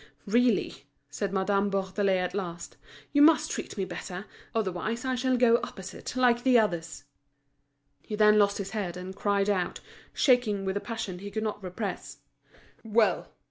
"Really," said Madame Bourdelais at last, "you must treat me better, otherwise I shall go opposite, like the others." He then lost his head, and cried out, shaking with a passion he could not repress: "Well!